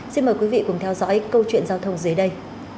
xin mời quý vị cùng theo dõi câu chuyện giao thông dưới đây